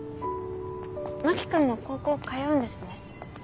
真木君も高校通うんですね。